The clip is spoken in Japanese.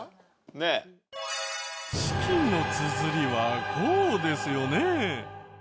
「チキン」のつづりはこうですよね。